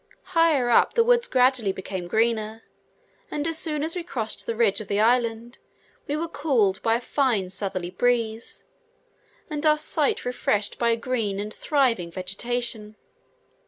Higher up, the woods gradually became greener; and as soon as we crossed the ridge of the island, we were cooled by a fine southerly breeze, and our sight refreshed by a green and thriving vegetation.